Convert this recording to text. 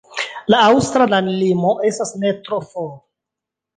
La aŭstra landlimo estas ne tro for.